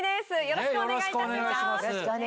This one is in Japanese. よろしくお願いします。